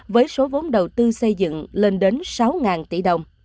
với số vốn đầu tư xây dựng lên đến sáu tỷ đồng